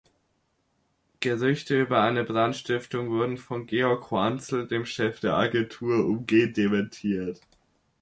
Gerüchte über eine Brandstiftung wurden von Georg Hoanzl, dem Chef der Agentur, umgehend dementiert.